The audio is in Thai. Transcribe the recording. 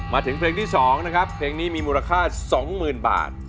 มาถึงเพลงที่๒นะครับเพลงนี้มีมูลค่า๒๐๐๐บาท